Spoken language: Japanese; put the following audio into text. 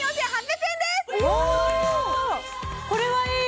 これはいい！